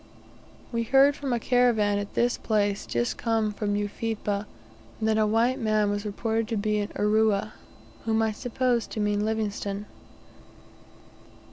We heard from a caravan at this place, just come from Ufipa, that a white man was reported to be in "Urua," whom I supposed to mean Livingstone.